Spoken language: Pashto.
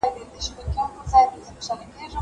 زه به سیر کړی وي!!